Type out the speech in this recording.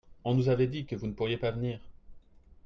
on nous avait dit que vous ne pourriez pas venir.